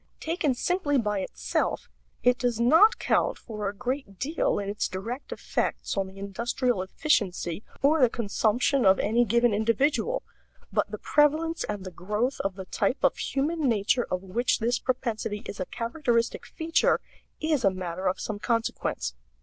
Taken simply by itself it does not count for a great deal in its direct effects on the industrial efficiency or the consumption of any given individual; but the prevalence and the growth of the type of human nature of which this propensity is a characteristic feature is a matter of some consequence.